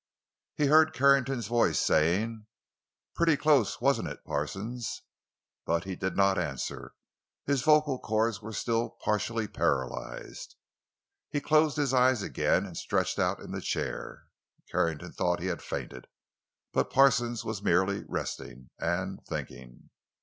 He heard Carrington's voice saying: "Pretty close, wasn't it, Parsons?" But he did not answer; his vocal cords were still partially paralyzed. He closed his eyes again and stretched out in the chair. Carrington thought he had fainted, but Parsons was merely resting—and thinking.